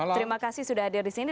terima kasih sudah hadir di sini